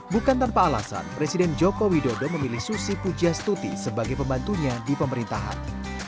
bukan tanpa alasan presiden joko widodo memilih susi pujastuti sebagai pembantunya di pemerintahan